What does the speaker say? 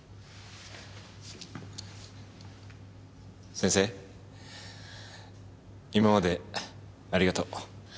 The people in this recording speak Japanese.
先生今までありがとう。